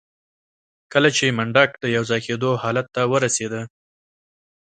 کله چې منډک د يوځای کېدو حالت ته ورسېده.